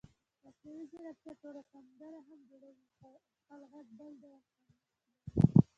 مصنوعي ځیرکتیا ټوله سندره هم جوړوي خو خپل غږ بل ډول خوند لري.